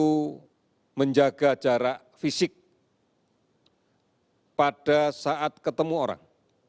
kita harus menjaga jarak fisik pada saat ketemu orang